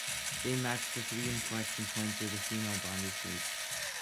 They match the three inflection points of the female body shape.